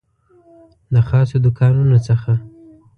د خاصو دوکانونو څخه